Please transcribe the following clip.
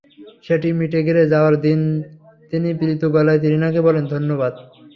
সেটি মিটে গেলে যাওয়ার দিন তিনি প্রীত গলায় তৃণাকে বললেন, ধন্যবাদ।